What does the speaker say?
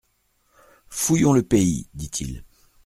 Fouillons le pays, dit-il.